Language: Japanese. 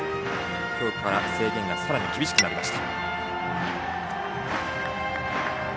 今日から制限がさらに厳しくなりました。